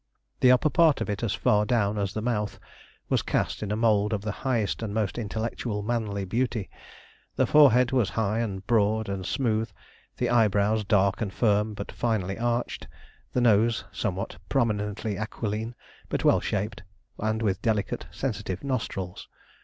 The upper part of it, as far down as the mouth, was cast in a mould of the highest and most intellectual manly beauty. The forehead was high and broad and smooth, the eyebrows dark and firm but finely arched, the nose somewhat prominently aquiline, but well shaped, and with delicate, sensitive nostrils.